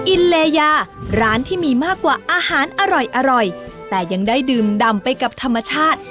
อินเลยาร้านที่มีมากกว่าอาหารอร่อยอร่อยแต่ยังได้ดื่มดำไปกับธรรมชาติ